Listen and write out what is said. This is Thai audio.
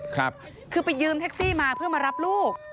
คือไปยืมแท็กซี่มาเพื่อมารับลูก